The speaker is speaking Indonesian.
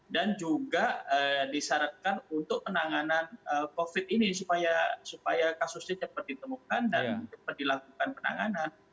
dan juga disaratkan untuk penanganan covid ini supaya kasusnya cepat ditemukan dan cepat dilakukan penanganan